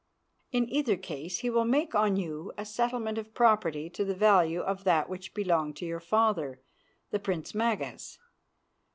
In either case he will make on you a settlement of property to the value of that which belonged to your father, the Prince Magas.